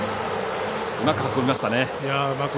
うまく運びましたね。